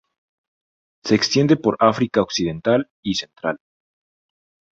Se extiende por África occidental y Central.